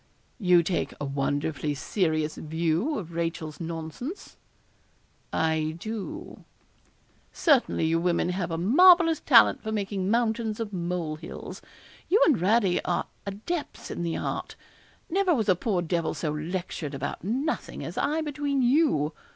'You take a wonderfully serious view of Rachel's nonsense.' 'I do.' 'Certainly, you women have a marvellous talent for making mountains of molehills you and Radie are adepts in the art. Never was a poor devil so lectured about nothing as I between you.